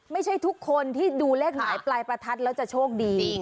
ไม่ใช่ทุกคนที่ดูเลขหมายปลายประทัดแล้วจะโชคดี